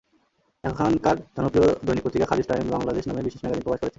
এখানকার জনপ্রিয় দৈনিক পত্রিকা খালিজ টাইমস বাংলাদেশ নামে বিশেষ ম্যাগাজিনে প্রকাশ করেছে।